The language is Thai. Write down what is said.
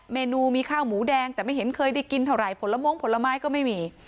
เมนูมีข้าวหมูแดงแต่ไม่เห็นเคยได้กินเท่าไหร่ผลมงผลไม้ก็ไม่มี